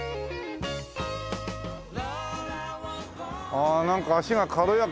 ああなんか足が軽やかだ。